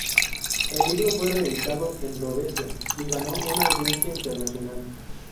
El libro fue reeditado en Rodesia y ganó una audiencia internacional.